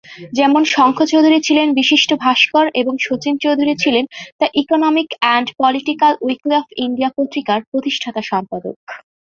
যেমন, শঙ্খ চৌধুরী ছিলেন বিশিষ্ট ভাস্কর এবং শচীন চৌধুরী ছিলেন "the economic and political weekly of India" পত্রিকার প্রতিষ্ঠাতা-সম্পাদক।